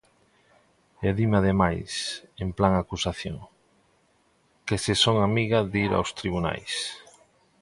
E dime ademais, en plan acusación, que se son amiga de ir aos tribunais.